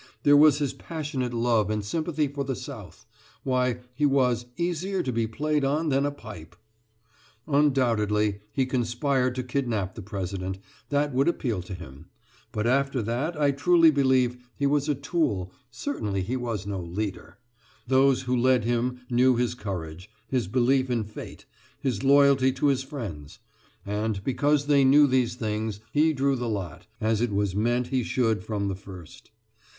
There was his passionate love and sympathy for the South why, he was "easier to be played on than a pipe." Undoubtedly he conspired to kidnap the President that would appeal to him; but after that I truly believe he was a tool certainly he was no leader. Those who led him knew his courage, his belief in Fate, his loyalty to his friends; and, because they knew these things, he drew the lot, as it was meant he should from the first.